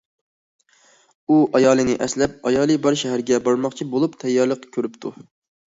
ئۇ ئايالىنى ئەسلەپ، ئايالى بار شەھەرگە بارماقچى بولۇپ تەييارلىق كۆرۈپتۇ.